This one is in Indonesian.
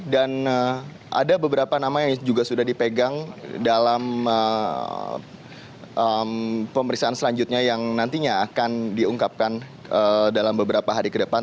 dan ada beberapa nama yang juga sudah dipegang dalam pemeriksaan selanjutnya yang nantinya akan diungkapkan dalam beberapa hari ke depan